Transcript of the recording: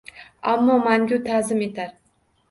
Ammo mangu ta’zim etar